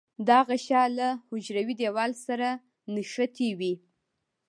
دا غشا له حجروي دیوال سره نښتې وي.